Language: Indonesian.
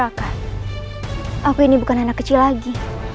aku ini bukan anak kecil lagi